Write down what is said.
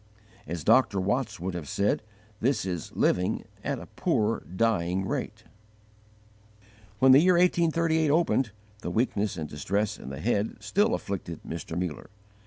As Dr. Watts would have said, this is living "at a poor dying rate." When the year 1838 opened, the weakness and distress in the head still afflicted Mr. Muller.